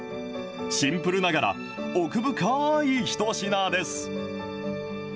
シンプルながら、奥深ーい一品です。